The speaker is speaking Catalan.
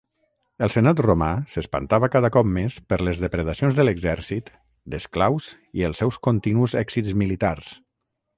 El Senat romà s'espantava cada cop més per les depredacions de l'exèrcit d'esclaus i els seus continus èxits militars.